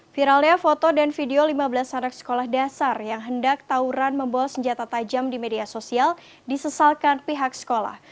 viralnya foto dan video lima belas anak sekolah dasar yang hendak tauran membawa senjata tajam di media sosial disesalkan pihak sekolah